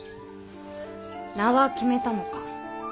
名は決めたのか。